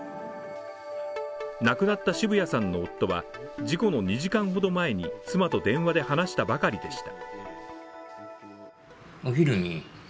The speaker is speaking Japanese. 亡くなった渋谷さんの夫は、事故の２時間ほど前に妻と電話で話したばかりでした。